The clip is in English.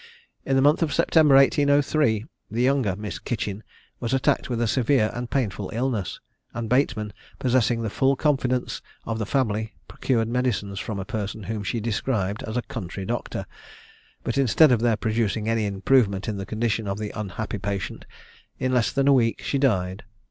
In the month of September, 1803, the younger Miss Kitchen was attacked with a severe and painful illness, and Bateman possessing the full confidence of the family procured medicines from a person whom she described as a country doctor, but instead of their producing any improvement in the condition of the unhappy patient, in less than a week she died.